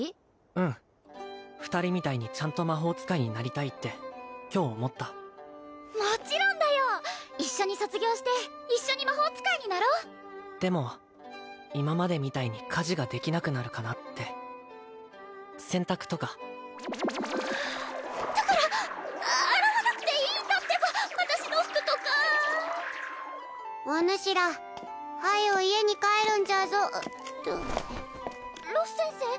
うん２人みたいにちゃんと魔法使いになりたいって今日思ったもちろんだよ一緒に卒業して一緒に魔法使いになろうでも今までみたいに家事ができなくなるかなって洗濯とかだから洗わなくていいんだってば私の服とかおぬしらはよう家に帰るんじゃぞっとロス先生？